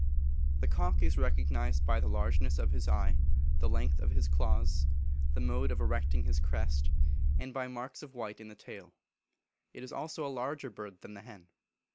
The cock is recognised by the largeness of his eye, the length of his claws, the mode of erecting his crest, and by marks of white in the tail. It is also a larger bird than the hen.